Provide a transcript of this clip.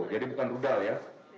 jadi bukan rudal ya